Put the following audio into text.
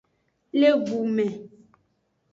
Le gu me.